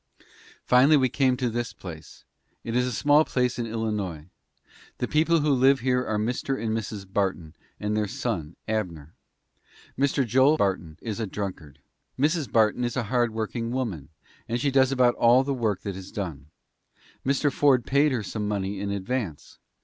"Finally we came to this place. It is a small place in Illinois. The people who live here are Mr. and Mrs. Barton and their son Abner. Mr. Joel Barton is a drunkard. He gets drunk whenever he has money to buy whisky. Mrs. Barton is a hard working woman, and she does about all the work that is done. Mr. Ford paid her some money in advance.